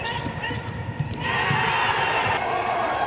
หลับหลับ